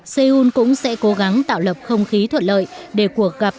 seoul cũng sẽ cố gắng tạo lập không khí thuận lợi để cuộc gặp